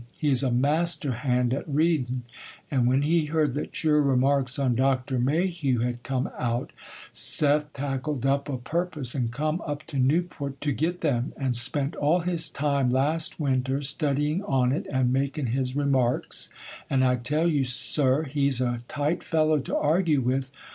He's a master hand at readin'; and when he heard that your remarks on Dr. Mayhew had come out, Seth tackled up o' purpose and come up to Newport to get them, and spent all his time, last winter, studyin' on it and makin' his remarks: and I tell you, sir, he's a tight fellow to argue with.